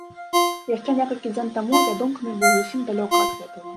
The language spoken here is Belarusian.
Яшчэ некалькі дзён таму я думкамі быў зусім далёка ад гэтага!